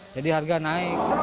jadi harga naik